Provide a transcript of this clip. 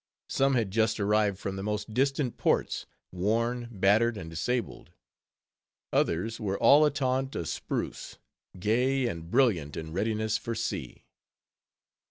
Some had just arrived from the most distant ports, worn, battered, and disabled; others were all a taunt o—spruce, gay, and brilliant, in readiness for sea.